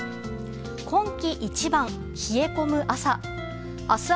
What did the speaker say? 今季一番、冷え込む朝。